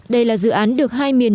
đây là dự án được hai miền